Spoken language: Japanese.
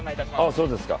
そうですか。